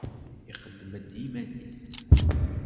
Iqeddem-d iman-nnes.